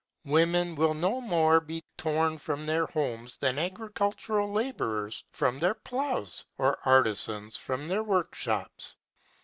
Women will no more be torn from their homes than agricultural labourers from their ploughs, or artisans from their workshops.